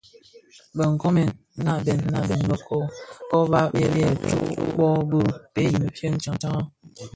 Bë nkoomèn nnabsèn nabsèn bero kōba yè bë tsōō bōō bi bhee i mefye tsaň tsaňraň.